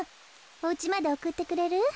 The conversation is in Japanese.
おうちまでおくってくれる？